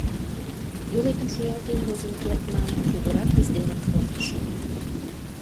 — Йолетым шуялтен возын керт манын, кугурак издерым кондышым.